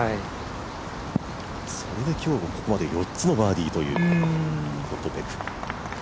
それで今日、ここまで４つのバーディーというトッド・ペク。